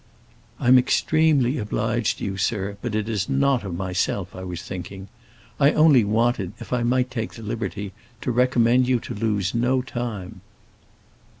"I'm extremely obliged to you, sir, but it is not of myself I was thinking. I only wanted, if I might take the liberty, to recommend you to lose no time."